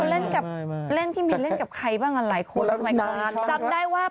เล่นกับเล่นพี่มีนเล่นกับใครบ้างอ่ะหลายคนสมัยก่อนจำได้ว่า